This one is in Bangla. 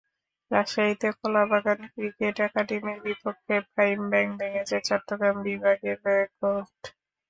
রাজশাহীতে কলাবাগান ক্রিকেট একাডেমির বিপক্ষে প্রাইম ব্যাংক ভেঙেছে চট্টগ্রাম বিভাগের রেকর্ড।